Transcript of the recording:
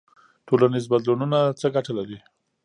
ټولنیز بدلونونه څه ګټه لري؟